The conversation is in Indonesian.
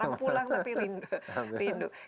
jangan pulang tapi rindu